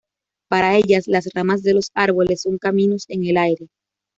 Para ellas, las ramas de los árboles son caminos en el aire.